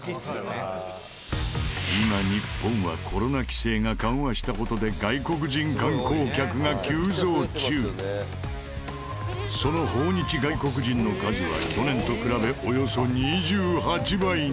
今日本はコロナ規制が緩和した事でその訪日外国人の数は去年と比べおよそ２８倍に。